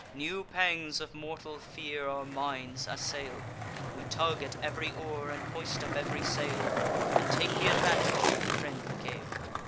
New pangs of mortal fear our minds assail; We tug at ev'ry oar, and hoist up ev'ry sail, And take th' advantage of the friendly gale.